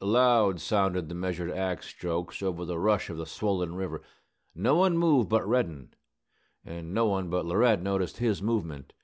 Loud sounded the measured axe strokes over the rush of the swollen river. No one moved but Reddin, and no one but Laurette noticed his movement.